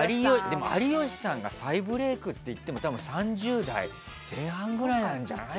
でも有吉さんが再ブレークっていっても多分３０代前半くらいじゃない。